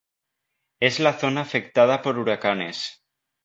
Es la zona afectada por huracanes.